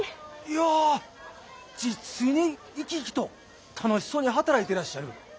いや実に生き生きと楽しそうに働いてらっしゃる。